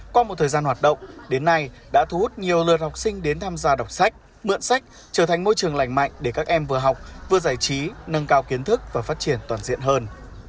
qua một thời gian hoạt động đến nay đã thu hút nhiều lượt học sinh đến tham gia đọc sách mượn sách trở thành môi trường lành mạnh để các em vừa học vừa giải trí nâng cao kiến thức và phát triển toàn diện hơn